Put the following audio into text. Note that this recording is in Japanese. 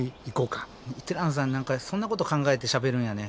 ティラノさん何かそんなこと考えてしゃべるんやね。